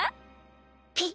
ピッ。